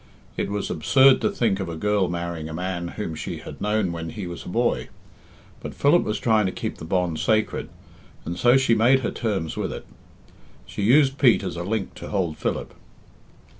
It was absurd to think of a girl marrying a man whom she had known when he was a boy. But Philip was trying to keep the bond sacred, and so she made her terms with it. She used Pete as a link to hold Philip.